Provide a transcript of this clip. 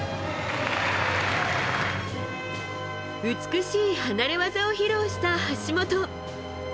美しい離れ技を披露した橋本。